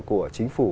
của chính phủ